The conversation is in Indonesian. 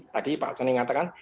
tadi pak sony mengatakan